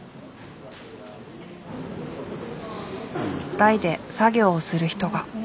台で作業をする人が。